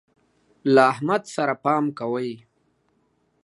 له احمد سره پام کوئ.